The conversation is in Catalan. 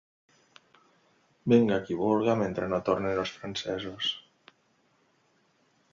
Vinga qui vulga, mentre no tornen els francesos.